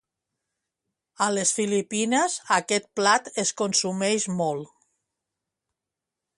A les Filipines, aquest plat es consumeix molt.